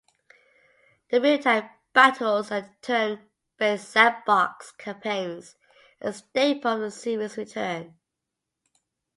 The real-time battles and turn-based sandbox campaigns, a staple of the series, return.